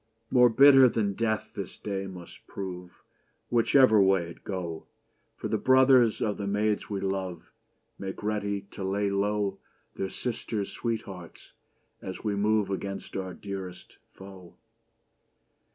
More bitter than death this day must prove Whichever way it go, 156 Charles I For the brothers of the maids we love Make ready to lay low Their sisters' sweethearts, as we move Against our dearest foe.